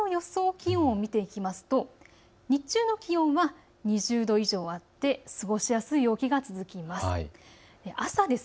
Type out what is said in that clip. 気温見ていきますと日中の気温は２０度以上あって過ごしやすい陽気が続きます。